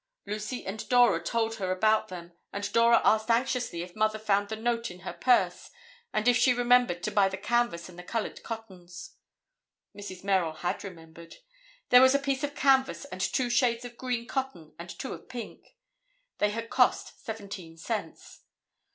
Lucy and Dora told her about them and then Dora asked anxiously if Mother found the note in her purse and if she remembered to buy the canvas and the colored cottons. Mrs. Merrill had remembered. There was a piece of canvas and two shades of green cotton and two of pink. They had cost seventeen cents.